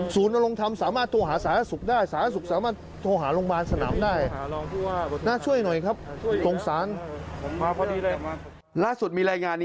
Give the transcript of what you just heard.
ศูนย์โรงทำสามารถโทรหาสหรัฐศูกร์ได้